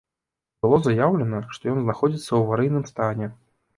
Было заяўлена, што ён знаходзіцца ў аварыйным стане.